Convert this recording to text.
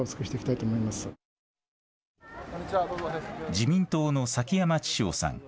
自民党の崎山知尚さん。